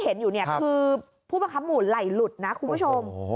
เห็นอยู่เนี่ยคือผู้บังคับหมู่ไหล่หลุดนะคุณผู้ชม